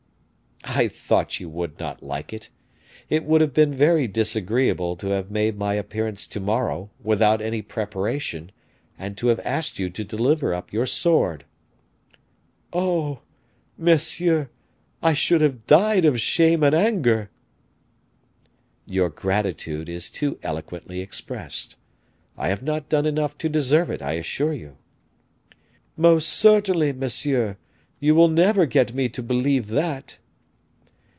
"I thought you would not like it. It would have been very disagreeable to have made my appearance to morrow, without any preparation, and to have asked you to deliver up your sword." "Oh! monsieur, I should have died of shame and anger." "Your gratitude is too eloquently expressed. I have not done enough to deserve it, I assure you." "Most certainly, monsieur, you will never get me to believe that."